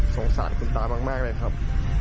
สงสารคุณตามากเลยครับ